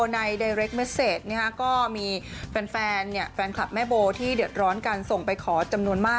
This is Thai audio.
คิดถึงคุณปู่คุณย่าไหมคะอยู่กันอย่างนั้น